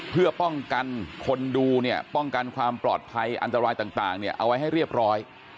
เพื่อป้องกันคนดูเนี่ยป้องกันความปลอดภัยอันตรายต่างเอาไว้ให้เรียบร้อย